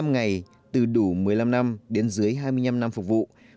hai mươi năm ngày từ đủ một mươi năm năm đến dưới hai mươi năm năm phục vụ